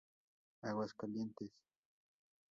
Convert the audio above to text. Aguascalientes, Ags.